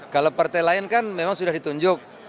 kalau partai lain kan memang sudah ditunjuk